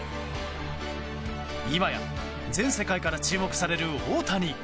今や全世界から注目される大谷。